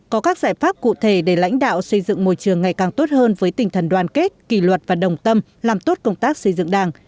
có các giải pháp cụ thể để lãnh đạo xây dựng môi trường ngày càng tốt hơn với tinh thần đoàn kết kỳ luật và đồng tâm làm tốt công tác xây dựng đảng